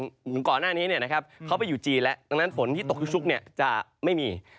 เหมือนก่อนหน้านี้เขาไปอยู่จีนแล้วดังนั้นฝนที่ตกชุกจะไม่มี